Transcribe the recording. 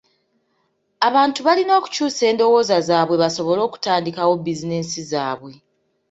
Abantu balina okukyusa endowooza zaabwe basobole okutandikawo bizinensi zaabwe.